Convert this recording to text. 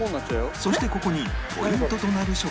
そしてここにポイントとなる食材が